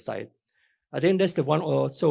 saya pikir itu adalah salah satu